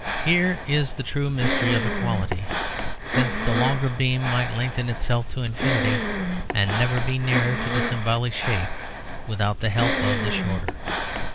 Here is the true mystery of equality; since the longer beam might lengthen itself to infinity, and never be nearer to the symbolic shape without the help of the shorter.